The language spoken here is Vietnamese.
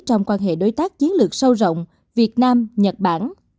trong quan hệ đối tác chiến lược sâu rộng việt nam nhật bản